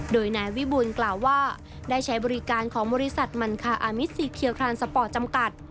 โดยนายวิบูลกล่าวว่าได้ใช้บริการของบริษัทมันคาอามิซีเคียคลานสปอร์ตจำกัด